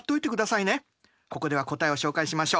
ここでは答えを紹介しましょう。